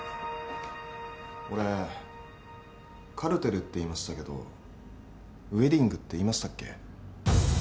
俺カルテルって言いましたけどウエディングって言いましたっけ？